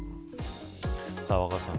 若狭さん